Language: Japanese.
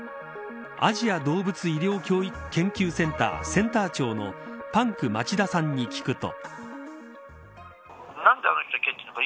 アジア動物医療研究センターセンター長のパンク町田さんに聞くと。